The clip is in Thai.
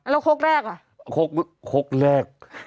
แล้วคกแรกเอง